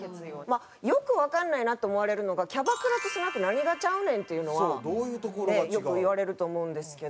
よくわかんないなって思われるのがキャバクラとスナック何がちゃうねんっていうのはよくいわれると思うんですけど。